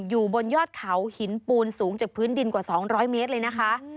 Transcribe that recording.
อยู่บนยอดเขาหินปูนสูงจากพื้นดินกว่า๒๐๐เมตรเลยนะคะ